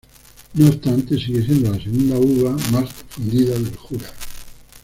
No obstante, sigue siendo la segunda uva más difundida del Jura.